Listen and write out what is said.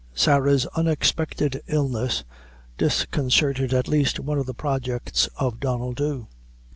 Sarah's unexpected illness disconcerted at least one of the projects of Donnel Dhu.